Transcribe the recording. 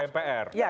seperti ke mpr